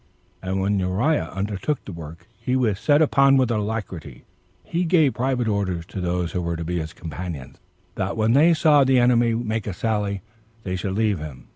And when Uriah undertook the work he was set upon with alacrity, he gave private orders to those who were to be his companions, that when they saw the enemy make a sally, they should leave him.